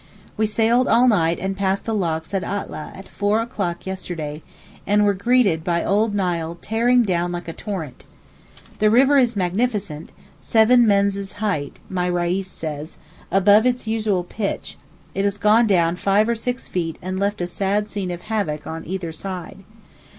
We sailed all night and passed the locks at Atleh at four o'clock yesterday, and were greeted by old Nile tearing down like a torrent. The river is magnificent, 'seven men's height,' my Reis says, above its usual pitch; it has gone down five or six feet and left a sad scene of havoc on either side.